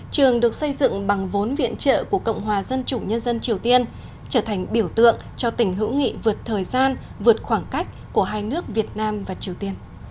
trường được xây dựng bằng vốn viện trợ của cộng hòa dân chủ nhân dân triều tiên trở thành biểu tượng cho tỉnh hữu nghị vượt thời gian vượt khoảng cách của hai nước việt nam và triều tiên